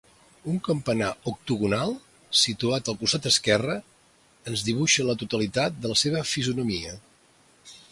Un campanar octogonal, situat al costat esquerre, ens dibuixa la totalitat de la seva fisonomia.